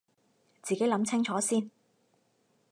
自己諗清楚先